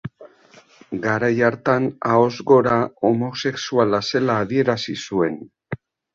Garai hartan, ahoz gora homosexuala zela adierazi zuen.